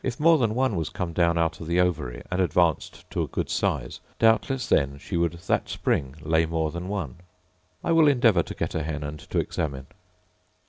If more than one was come down out of the ovary, and advanced to a good size, doubtless then she would that spring lay more than one. I will endeavour to get a hen, and to examine.